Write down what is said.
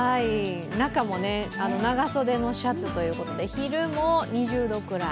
中もね、長袖のシャツということで昼も２０度くらい。